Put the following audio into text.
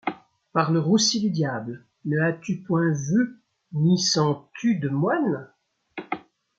Par le roussy du diable ! ne has-tu point veu ni sentu de moyne ?